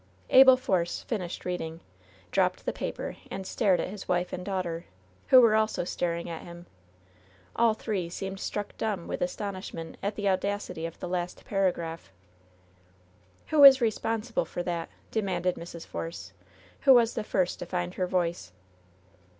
Abel Force finished reading, dropped the paper and stared at his wife and daughter, who were also staring at him. All three seemed struck dumb with astonish ment at the audacity of the last paragraph. '^Who is responsible for that V^ demanded Mrs. Force, who was the first to find her voice.